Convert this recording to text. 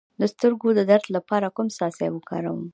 د سترګو د درد لپاره کوم څاڅکي وکاروم؟